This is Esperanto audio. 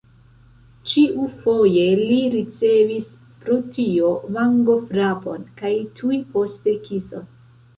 Ĉiufoje li ricevis pro tio vangofrapon kaj tuj poste kison.